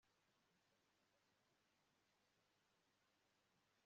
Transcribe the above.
yagiranye na bo isezerano rihoraho